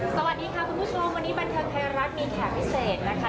สวัสดีค่ะคุณผู้ชมวันนี้บันเทิงไทยรัฐมีแขกพิเศษนะคะ